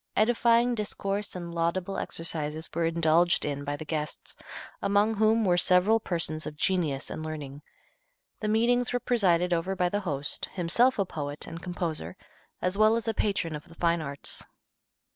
Edifying discourse and laudable exercises were indulged in by the guests, among whom were several persons of genius and learning. The meetings were presided over by the host, himself a poet and composer, as well as a patron of the fine arts.